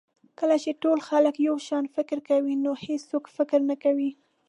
کله چې ټول خلک یو شان فکر کوي نو هېڅوک فکر نه کوي.